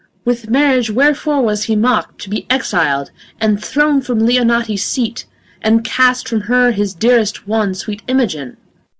MOTHER. With marriage wherefore was he mock'd, To be exil'd and thrown From Leonati seat and cast From her his dearest one, Sweet Imogen?